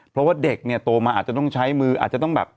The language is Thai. เพราะว่าเด็กเนี่ยโตมาอาจจะต้องใช้มืออาจจะต้องแบบ